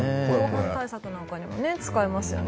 防犯対策なんかにも使えますよね。